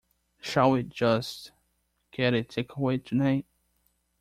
Shall we just get a takeaway tonight?